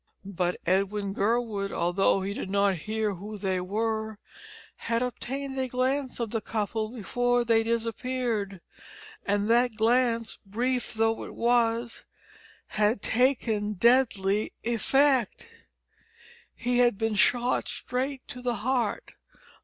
But Edwin Gurwood, although he did not hear who they were, had obtained a glance of the couple before they disappeared, and that glance, brief though it was, had taken deadly effect! He had been shot straight to the heart.